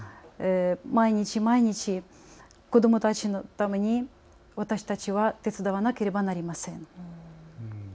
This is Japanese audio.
毎日、毎日、子どもたちのために私たちは手伝わなければなりません。